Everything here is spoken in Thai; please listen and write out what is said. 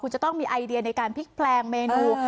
จะต้องมีไอเดียในการพลิกแปลงเมนู